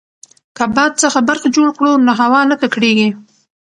که باد څخه برق جوړ کړو نو هوا نه ککړیږي.